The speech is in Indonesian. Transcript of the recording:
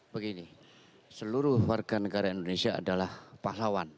begini seluruh warga negara indonesia adalah pahlawan